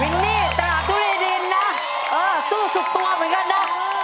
วินนี่ตลาดทุรีดินนะสู้สุดตัวเหมือนกันนะ